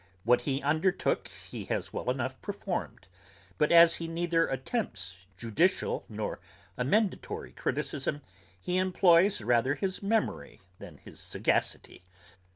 What he undertook he has well enough performed, but as he neither attempts judicial nor emendatory criticism, he employs rather his memory than his sagacity.